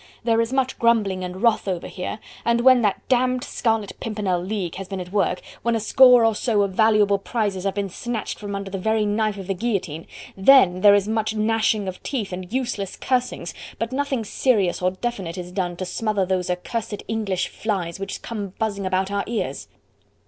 There is much grumbling and wrath over here, and when that damned Scarlet Pimpernel League has been at work, when a score or so of valuable prizes have been snatched from under the very knife of the guillotine, then, there is much gnashing of teeth and useless cursings, but nothing serious or definite is done to smother those accursed English flies which come buzzing about our ears."